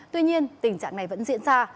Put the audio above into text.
tuy nhiên tình trạng này vẫn diễn ra